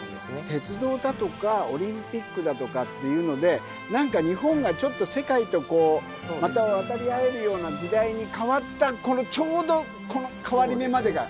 鉄道だとかオリンピックだとかっていうので何か日本がちょっと世界とまた渡り合えるような時代に変わったこのちょうど変わり目までが。